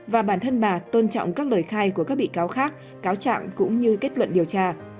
và bản thân bà tôn trọng các lời khai của các bị cáo khác cáo trạng cũng như kết luận điều tra